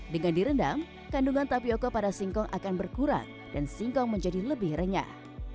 dengan direndam kandungan tapioca pada singkong akan berkurang dan singkong menjadi lebih renyah